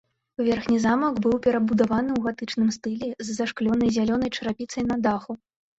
Верхні замак быў перабудаваны ў гатычным стылі з зашклёнай зялёнай чарапіцай на даху.